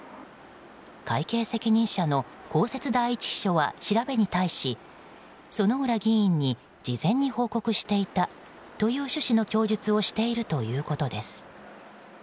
会計責任者の公設第１秘書は調べに対し、薗浦議員に事前に報告していたという趣旨の供述をしているということです。